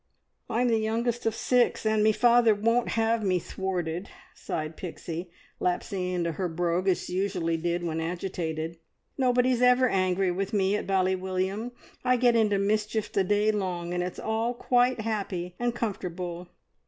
"I'm the youngest of six, and me father won't have me thwarted!" sighed Pixie, lapsing into her brogue, as she usually did when agitated. "Nobody's ever angry with me at Bally William; I get into mischief the day long, and it's all quite happy and comfortable.